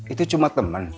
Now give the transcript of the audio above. itu cuma temen